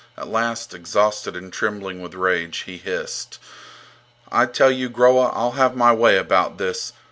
At last, exhausted and trembling with rage, he hissed: I tell you, Groa. I'll have my way about this.